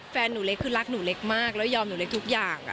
แฟนหนูเล็กคือรักหนูเล็กมากแล้วยอมหนูเล็กทุกอย่าง